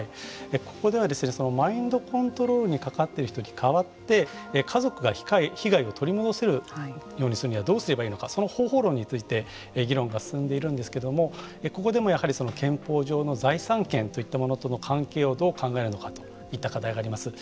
ここではマインドコントロールにかかっている人に代わって家族が被害を取り戻せるようにするにはどうすればいいのかその方法論について議論が進んでいるんですけどもここでも、やはり憲法上の財産権といったものとの関係をどう考えるのかといった課題があります。